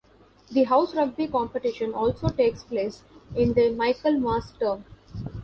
The house rugby competition also takes place in the Michaelmas term.